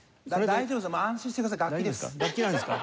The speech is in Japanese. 大丈夫ですか？